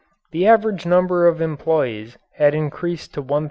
The average number of employees had increased to 1,908.